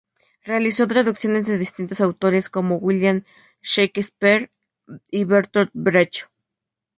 Realizó traducciones de distintos autores, como William Shakespeare y Bertolt Brecht.